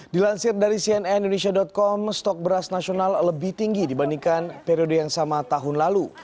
dilansir dari cnn indonesia com stok beras nasional lebih tinggi dibandingkan periode yang sama tahun lalu